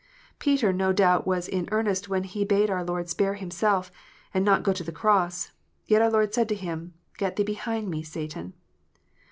Peter no doubt was in earnest when he bade our Lord spare Himself, and not go to the cross ; yet our Lord said to him, " Get thee behind Me, Satan."